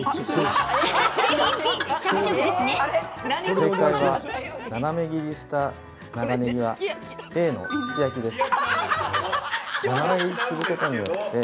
正解は、斜め切りにした長ねぎは、Ａのすき焼きです。